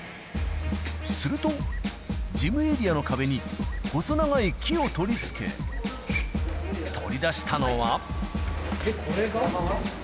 すると、事務エリアの壁に、細長い木を取り付け、取り出したのは。